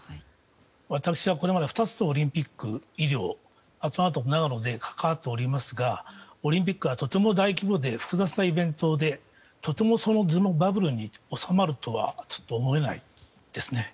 私はこれまで２つのオリンピック医療に長野でも関わっておりますがオリンピックはとても大規模で複雑なイベントでとてもバブルに収まるとはちょっと思えないですね。